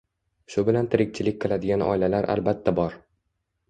shu bilan tirikchilik qiladigan oilalar albatta bor.